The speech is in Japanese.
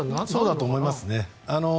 そうだと思いますね。